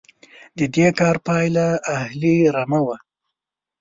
د دې کار پایله اهلي رمه وه.